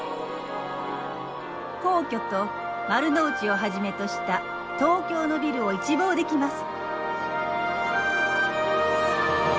皇居と丸の内をはじめとした東京のビルを一望できます。